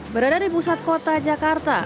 berada di pusat kota jakarta